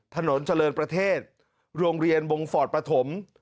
ถนนเจริญประเทศโรงเรียนวงฟอร์ตประถม